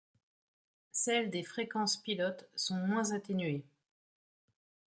Celles des fréquences pilotes sont moins atténuées.